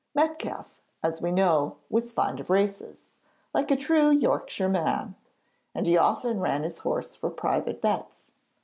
Metcalfe, as we know, was fond of races, like a true Yorkshire man, and he often ran his horse for private bets.